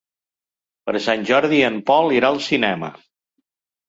Per Sant Jordi en Pol irà al cinema.